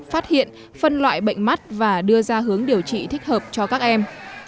phát hiện phân loại bệnh mắt và đưa ra hướng điều trị thích hợp cho các em